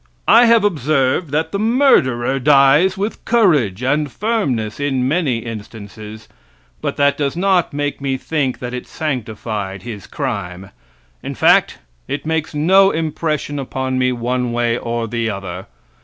I have observed that the murderer dies with courage and firmness in many instances, but that does not make me think that it sanctified his crime; in fact, it makes no impression upon me one way or the other.